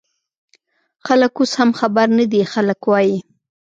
خلک اوس هم خبر نه دي، خلک وايي